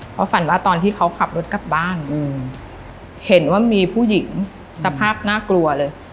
เขาฝันว่าตอนที่เขาขับรถกลับบ้านเห็นว่ามีผู้หญิงสภาพน่ากลัวเลย